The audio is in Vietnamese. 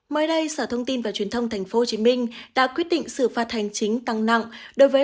mới đây sở thông tin và truyền thông tp hcm đã quyết định xử phạt hành chính tăng nặng đối với